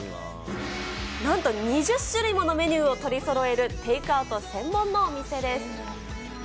なんと２０種類ものメニューを取りそろえるテイクアウト専門のお店です。